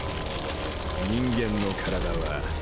人間の体は。